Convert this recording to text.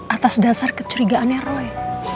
atas dasar kecurigaannya roy